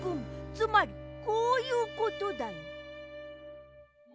つまりこういうことだよ。